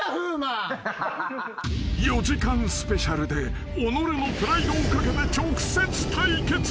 ［４時間スペシャルで己のプライドを懸けて直接対決］